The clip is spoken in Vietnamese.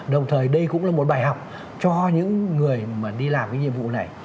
đồng thời đây cũng là một bài học cho những người mà đi làm cái nhiệm vụ này